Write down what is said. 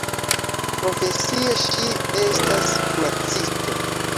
Profesie ŝi estas kuracisto.